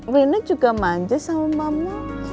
wina juga manja sama mama